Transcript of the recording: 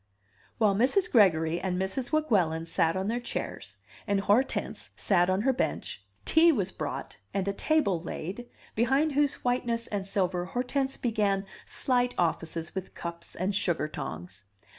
While Mrs. Gregory and Mrs. Weguelin sat on their chairs, and Hortense sat on her bench, tea was brought and a table laid, behind whose whiteness and silver Hortense began slight offices with cups and sugar tongs.